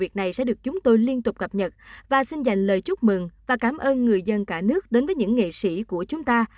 việc này sẽ được chúng tôi liên tục cập nhật và xin dành lời chúc mừng và cảm ơn người dân cả nước đến với những nghệ sĩ của chúng ta